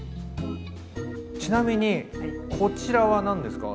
ちなみにこちらは何ですか？